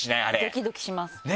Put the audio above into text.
ドキドキしますなんか。